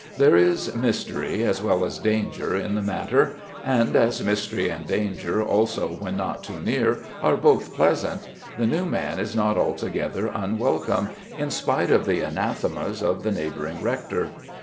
There is mystery as well as danger in the matter; and as mystery, and danger also when not too near, are both pleasant, the new man is not altogether unwelcome, in spite of the anathemas of the neighbouring rector.